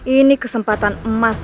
ini kesempatan emas